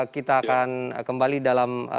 kita akan kembali dalam